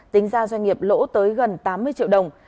tính ra doanh nghiệp lỗ tới gần tám mươi triệu đồng